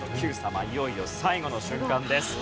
いよいよ最後の瞬間です。